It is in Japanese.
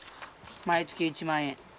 毎月１万円。